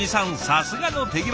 さすがの手際。